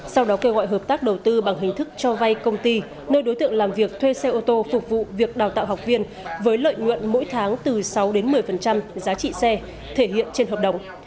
sau đó kêu gọi hợp tác đầu tư bằng hình thức cho vay công ty nơi đối tượng làm việc thuê xe ô tô phục vụ việc đào tạo học viên với lợi nhuận mỗi tháng từ sáu đến một mươi giá trị xe thể hiện trên hợp đồng